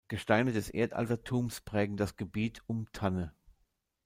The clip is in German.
Gesteine des Erdaltertums prägen das Gebiet um Tanne.